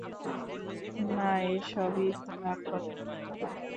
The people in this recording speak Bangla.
না, এ সবই ধার করা।